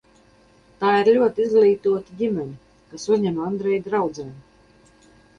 Tā ir ļoti izglītota ģimene, kas uzņem Andreja draudzeni.